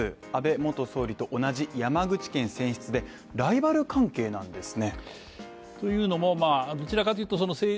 同じ山口県選出でライバル関係なんですね